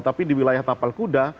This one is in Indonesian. tapi di wilayah tapal kuda